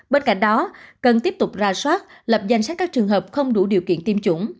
bên cạnh đó cần tiếp tục ra soát lập danh sách các trường hợp không đủ điều kiện tiêm chủng